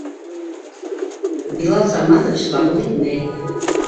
Билал Саматович ҡабул итмәй.